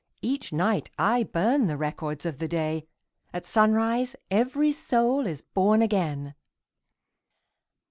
Each night I burn the records of the day, — At sunrise every soul is born again